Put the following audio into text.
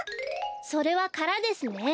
それはからですね。